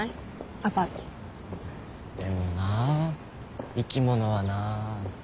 でもな生き物はなぁ。